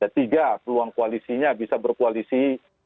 tiga peluang koalisinya bisa berkoalisi